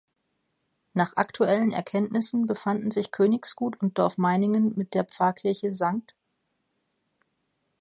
Nach aktuellen Erkenntnissen befanden sich Königsgut und Dorf Meiningen mit der Pfarrkirche „St.